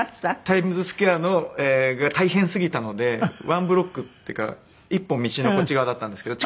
タイムズ・スクエアが大変すぎたので１ブロックっていうか１本道のこっち側だったんですけど。